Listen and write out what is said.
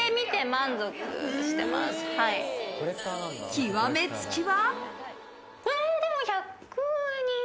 極め付きは。